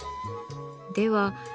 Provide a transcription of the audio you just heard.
では